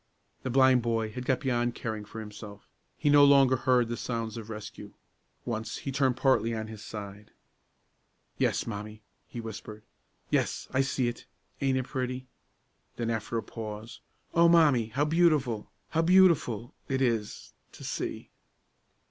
The blind boy had got beyond caring for himself. He no longer heard the sounds of rescue. Once he turned partly on his side. "Yes, Mommie," he whispered, "yes, I see it; ain't it pretty!" Then, after a pause, "O Mommie, how beautiful how beautiful it is to see!"